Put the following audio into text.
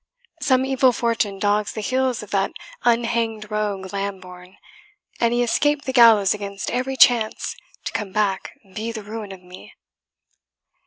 Some evil fortune dogs the heels of that unhanged rogue Lambourne, and he has 'scaped the gallows against every chance, to come back and be the ruin of me!"